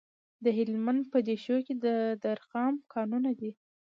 د هلمند په دیشو کې د رخام کانونه دي.